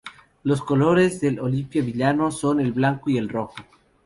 Los colores del Olimpia Milano son el blanco y el rojo.